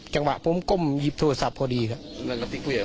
จังหวะผมก้มหยิบโทรศัพท์พอดีครับ